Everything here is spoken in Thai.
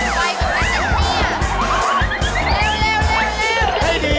โอ้ไปกับมันกันเฮี่ย